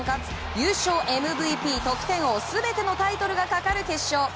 優勝、ＭＶＰ、得点王全てのタイトルがかかる決勝。